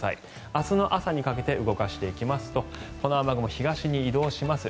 明日の朝にかけて動かしていきますとこの雨雲、東に移動します。